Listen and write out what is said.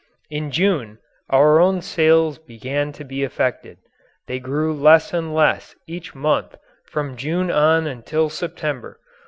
In June our own sales began to be affected. They grew less and less each month from June on until September.